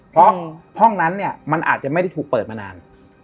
เพราะห้องนั้นเนี่ยมันอาจจะไม่ได้ถูกเปิดมานาน